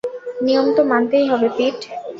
নিয়ম তো মানতেই হবে, পিট।